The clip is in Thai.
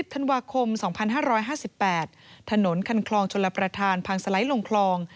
ธันวาคม๒๕๕๘ถนนคันคลองชลประธานพังสไลด์ลงคลอง